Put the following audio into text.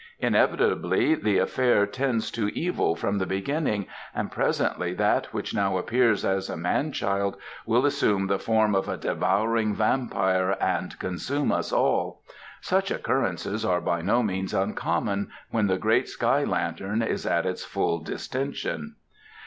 Inevitably the affair tends to evil from the beginning and presently that which now appears as a man child will assume the form of a devouring vampire and consume us all. Such occurrences are by no means uncommon when the great sky lantern is at its full distension."